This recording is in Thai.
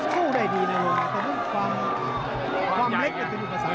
เข้าได้ดีในรวมนี้แต่รูปความเล็กแต่รูปสาวนี้